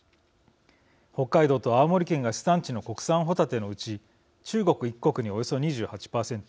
北海道と青森県が主産地の国産ホタテのうち中国１国におよそ２８％